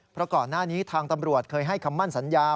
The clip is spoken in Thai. เพราะก่อนหน้านี้ทางตำรวจเคยให้คำมั่นสัญญา